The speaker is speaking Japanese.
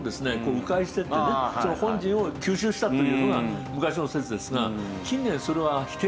迂回していってね本陣を急襲したというのが昔の説ですが。